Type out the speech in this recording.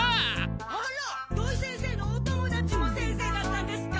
・あらっ土井先生のお友だちも先生だったんですか！